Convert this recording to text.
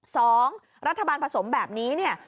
สองรัฐบาลผสมแบบนี้เนี่ย